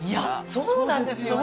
そうなんですよね。